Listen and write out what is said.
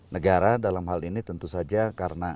negara dalam hal ini tentu saja karena